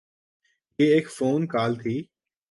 یہ ایک phone call تھی۔